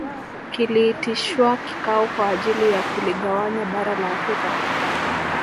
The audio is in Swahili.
Kiliitishwa kikao kwa ajili ya kuligawanya bara la Afrika